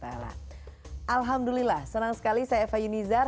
alhamdulillah senang sekali saya eva yunizar